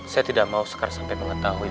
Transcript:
saya tidak mau sekar sampai mengetahui